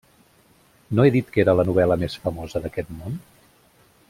-¿No he dit que era la novel·la més famosa d'aquest món?